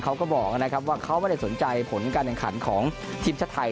เขาก็บอกนะครับว่าเขาไม่ได้สนใจผลการแข่งขันของทีมชาติไทย